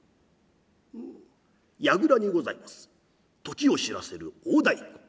櫓にございます時を知らせる大太鼓。